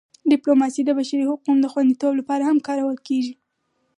ډیپلوماسي د بشري حقونو د خوندیتوب لپاره هم کارول کېږي.